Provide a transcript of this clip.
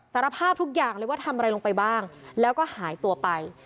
สารภาพทุกอย่างเลยว่าทำอะไรลงไปบ้างแล้วก็หายตัวไป